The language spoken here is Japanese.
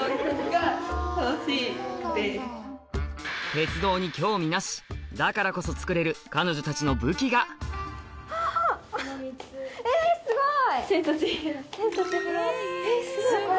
鉄道に興味なしだからこそ作れる彼女たちの武器がすごい！